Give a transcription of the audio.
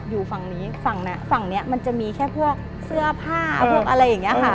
อยู่ฝั่งนี้ฝั่งนั้นฝั่งนี้มันจะมีแค่พวกเสื้อผ้าพวกอะไรอย่างนี้ค่ะ